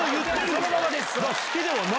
そのままです！